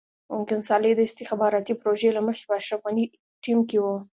ممکن صالح د استخباراتي پروژې له مخې په اشرف غني ټيم کې وي.